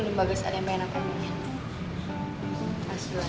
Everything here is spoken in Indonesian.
belum bagas ada yang pengen aku ngomongin